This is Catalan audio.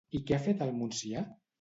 I què ha fet al Monstià?